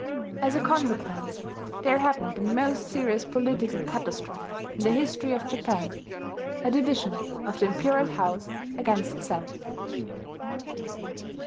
As a consequence there happened the most serious political catastrophe in the history of Japan, a division of the imperial house against itself.